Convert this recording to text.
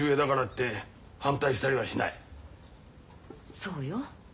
そうよ。